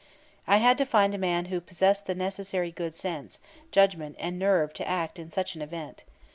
I had to find a man who possessed the necessary good sense, judgment, and nerve to act in such event.